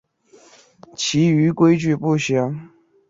其余规则不详。